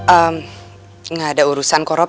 enggak ada urusan kok rob